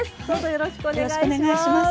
よろしくお願いします。